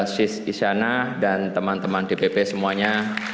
sis isyana dan teman teman dpp semuanya